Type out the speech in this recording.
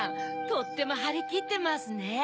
とってもはりきってますね。